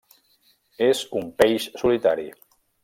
És un peix solitari.